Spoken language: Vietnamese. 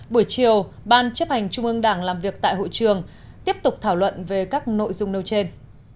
buổi chiều ban chấp hành trung ương đảng làm việc tại hội trường tiếp tục thảo luận về các nội dung nêu trên